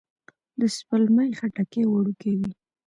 د سپلمۍ خټکی وړوکی وي